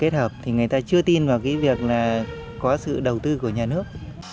thì người ta chưa tin vào cái việc là có sự đầu tư của nhà nước